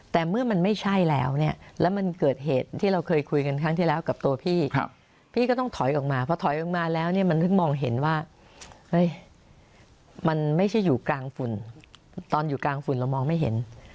แต่เมื่อมันไม่ใช่แล้วเนี่ยแล้วมันเกิดเหตุที่เราเคยคุยกันครั้งที่แล้วกับตัวพี่พี่ก็ต้องถอยออกมาพอถอยออกมาแล้วเนี่ยมันถึงมองเห็นว่าเฮ้ยมันไม่ใช่อยู่กลางฝุ่นตอนอยู่กลางฝุ่นเรามองไม่เห็น